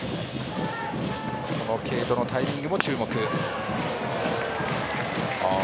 その継投のタイミングも注目。